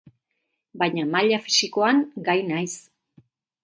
Baina maila fisikoan, gai naiz.